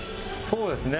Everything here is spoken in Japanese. そうですね。